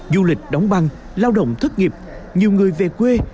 du lịch đóng băng lao động thất nghiệp nhiều người về quê